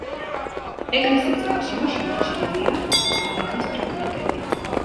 ეკლესიის გარშემო შემორჩენილია გალავნის ფრაგმენტები.